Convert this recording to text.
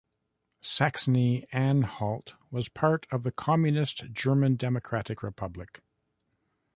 Saxony-Anhalt was part of the communist German Democratic Republic.